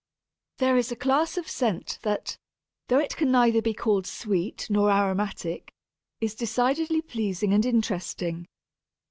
There is a class of scent that, though it can neither be called sweet nor aromatic, is decidedly pleasing and interesting.